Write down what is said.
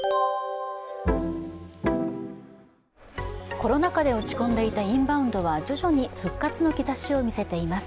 コロナ禍で落ち込んでいたインバウンドは徐々に復活の兆しを見せています。